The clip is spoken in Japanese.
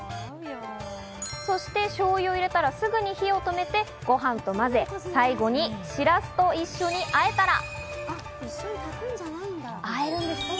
そしてしょうゆを入れたら、すぐに火を止めて、ご飯と混ぜ、最後にしらすと一緒にあえたら。